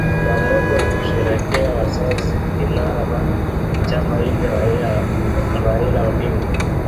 pamoja kusherehekea mazazi ya Kinara wa chama ile, Raila Odinga